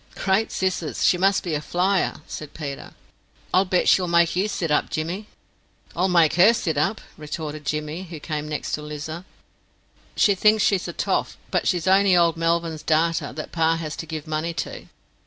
"Great scissors! she must be a flyer," said Peter. "I'll bet she'll make you sit up, Jimmy." "I'll make her sit up," retorted Jimmy, who came next to Lizer. "She thinks she's a toff, but she's only old Melvyn's darter, that pa has to give money to."